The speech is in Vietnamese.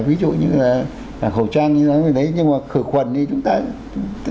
ví dụ như là khẩu trang như là mình thấy nhưng mà khử khuẩn thì chúng ta